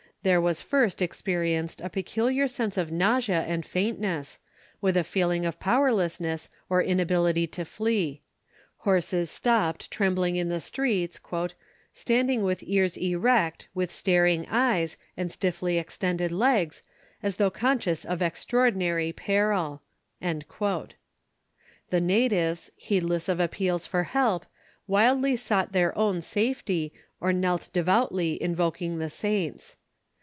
There was first experienced a peculiar sense of nausea and faintness, with a feeling of powerlessness or inability to flee. Horses stopped trembling in the streets, "standing with ears erect, with staring eyes, and stiffly extended legs, as though conscious of extraordinary peril." The natives, heedless of appeals for help, wildly sought their own safety, or knelt devoutly invoking the saints.